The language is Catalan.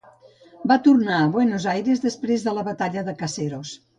Va tornar a Buenos Aires després de la Batalla de Caseros.